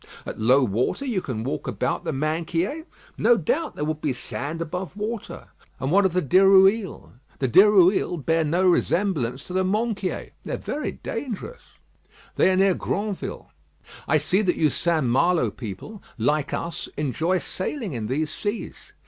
"At low water you can walk about the Minquiers?" "No doubt; there would be sand above water." "And what of the Dirouilles?" "The Dirouilles bear no resemblance to the Minquiers." "They are very dangerous." "They are near Granville." "I see that you St. Malo people, like us, enjoy sailing in these seas."